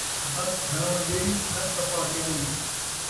نتھ گھڑاوݨ ڳئی ، نک کپا کے آئی